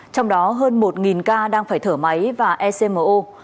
trong đó hơn một ca đang phải thở máy và ecmo